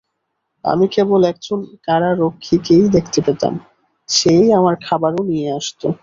আমি কেবল একজন কারারক্ষীকেই দেখতে পেতাম, সে-ই আমার খাবারও নিয়ে আসত।